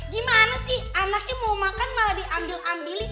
gimana sih anaknya mau makan malah diambil ambilin